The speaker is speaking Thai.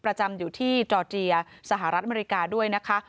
ประจำอยู่ที่จอร์เจียสหรัฐอเมริกาด้วยนะคะ